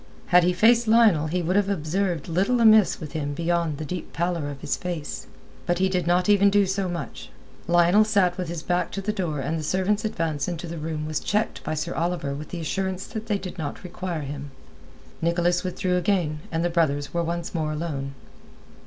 Had he faced Lionel he would have observed little amiss with him beyond the deep pallor of his face. But he did not even do so much. Lionel sat with his back to the door and the servant's advance into the room was checked by Sir Oliver with the assurance that they did not require him. Nicholas withdrew again, and the brothers were once more alone.